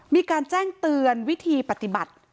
มีการแจ้งเตือนวิธีปฏิบัติ